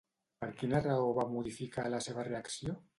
Per quina raó va modificar la seva reacció?